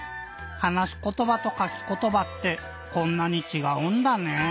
はなしことばとかきことばってこんなにちがうんだね。